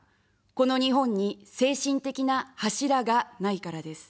この日本に精神的な柱がないからです。